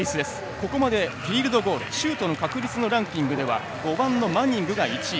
ここまでフィールドゴールシュートの確率のランキングでは５番のマニングが１位。